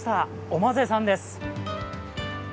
おまぜさんです。